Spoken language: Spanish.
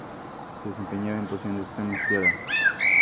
Se desempeñaba en posición de extremo izquierda.